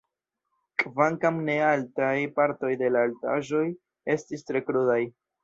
Kvankam ne altaj, partoj de la altaĵoj estis tre krudaj.